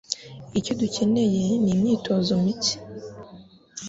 Icyo dukeneye ni imyitozo mike.